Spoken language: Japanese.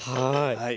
はい。